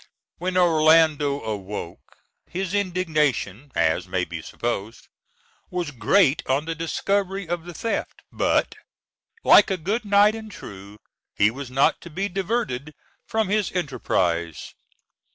When Orlando awoke, his indignation, as may be supposed, was great on the discovery of the theft; but, like a good knight and true, he was not to be diverted from his enterprise.